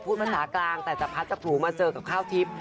ภาษากลางแต่จะพัดกับผลูมาเจอกับข้าวทิพย์